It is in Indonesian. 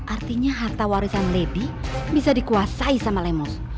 artinya harta warisan lady bisa dikuasai sama lemos